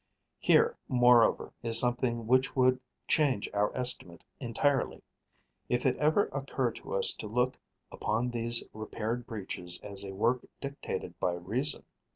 Here, moreover, is something which would change our estimate entirely, if it ever occurred to us to look upon these repaired breaches as a work dictated by reason.